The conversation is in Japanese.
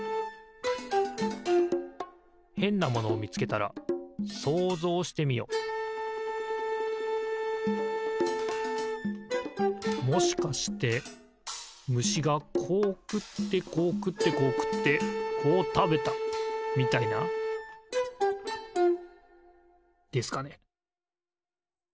へんなものをみつけたら想像してみよもしかしてむしがこうくってこうくってこうくってこうたべたみたいな？ですかね